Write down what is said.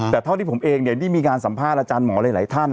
แต่เท่าที่ผมเองได้มีการสัมภาษณ์อาจารย์หมอหลายท่าน